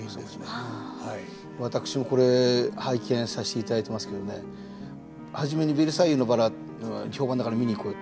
私もこれ拝見させていただいてますけどね初めに「ベルサイユのばら」評判だから見に行こうよって。